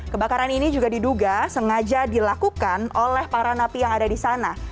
kebakaran ini juga diduga sengaja dilakukan oleh para napi yang ada di sana